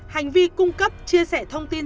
hành vi cung cấp chia sẻ thông tin